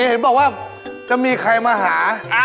เห็นบอกว่าจะมีใครมาหา